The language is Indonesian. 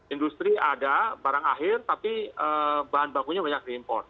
industri ada barang akhir tapi bahan bakunya banyak diimport